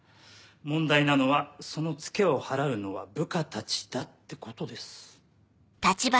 問題なのはそのツケを払うのは部下たちだってことです。